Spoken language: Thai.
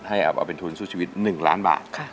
ให้เอาไปเป็นทุนสู้ชีวิต๑ล้านบาท